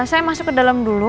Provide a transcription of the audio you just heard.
saya masuk ke dalam dulu